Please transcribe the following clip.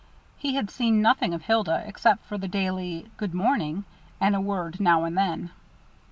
He had seen nothing of Hilda, except for the daily "Good morning," and a word now and then.